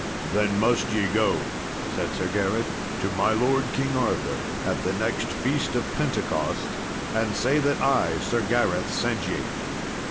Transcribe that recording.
"Then must ye go," said Sir Gareth, "to my lord King Arthur at the next Feast of Pentecost and say that I, Sir Gareth, sent ye."